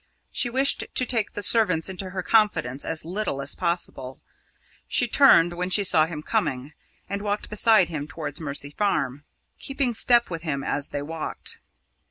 She wished to take the servants into her confidence as little as possible. She turned when she saw him coming, and walked beside him towards Mercy Farm, keeping step with him as they walked.